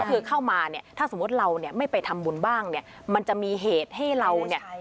คือเข้ามาเนี่ยถ้าสมมุติเราเนี่ยไม่ไปทำบุญบ้างเนี่ยมันจะมีเหตุให้เราเนี่ย